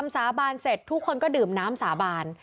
ทั้งหลวงผู้ลิ้น